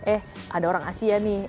eh ada orang asia nih